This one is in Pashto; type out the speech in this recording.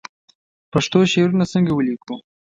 پښتو شعرونه څنګه ولیکو